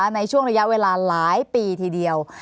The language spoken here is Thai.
ในช่วงระยะเวลาหลายปีทีเดียว